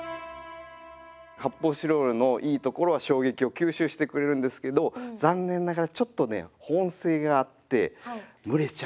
発泡スチロールのいいところは衝撃を吸収してくれるんですけど残念ながらちょっとね暑いんだ。